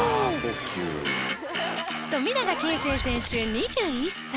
富永啓生選手２１歳。